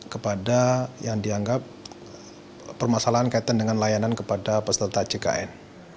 kepada yang dianggap permasalahan kaitan dengan layanan kepada peserta jkn